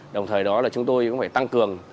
đồng thời đó là chúng tôi cũng phải tăng cường